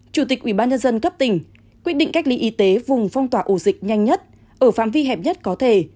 chủ tịch ubnd cấp tỉnh quyết định cách ly y tế vùng phong tỏa ổ dịch nhanh nhất ở phạm vi hẹp nhất có thể